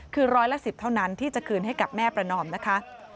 คือร้อยละ๑๐เท่านั้นที่จะคืนให้กับแม่ประนอมนะคะ